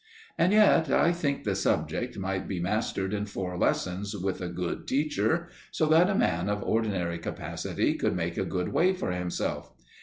And yet I think the subject might be mastered in four lessons with a good teacher, so that a man of ordinary capacity could make good way for himself.